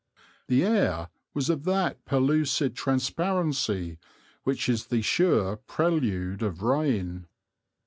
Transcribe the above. The air was of that pellucid transparency which is the sure prelude of rain.